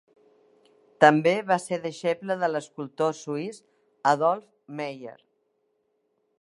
També va ser deixeble de l'escultor suís Adolf Mayer.